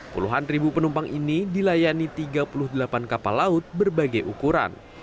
puluhan ribu penumpang ini dilayani tiga puluh delapan kapal laut berbagai ukuran